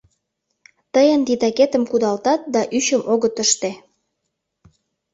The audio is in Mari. Тыйын титакетым кудалтат да ӱчым огыт ыште.